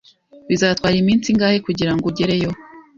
Bizatwara iminsi ingahe kugirango ugereyo?